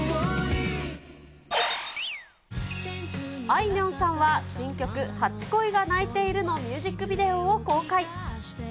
あいみょんさんは新曲、初恋が泣いているのミュージックビデオを公開。